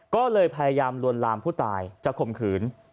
ก็เลยพยายามลวนลามผู้ตายจะข่มขืน